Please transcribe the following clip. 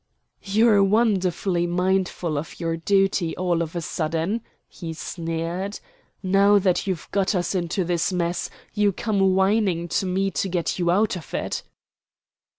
"You're wonderfully mindful of your duty all of a sudden," he sneered, "Now that you've got us into this mess, you come whining to me to get you out of it."